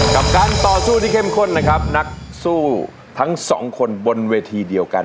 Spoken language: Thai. กับการต่อสู้ที่เข้มข้นนะครับนักสู้ทั้งสองคนบนเวทีเดียวกัน